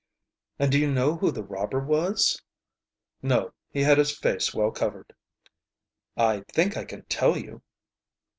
"And do you know who the robber was?" "No; he had his face well covered." "I think I can tell you."